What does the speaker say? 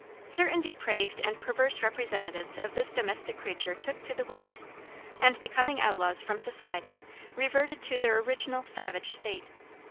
Certain depraved and perverse representatives of this domestic creature took to the woods, and, becoming outlaws from society, reverted to their original savage state.